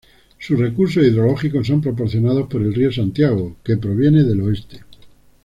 Sus recursos hidrológicos son proporcionados por el río Santiago, que proviene del oeste.